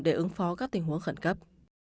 để ứng phó các tình huống khẩn cấp